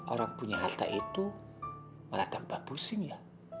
orang punya harta itu malah tanpa pusing ya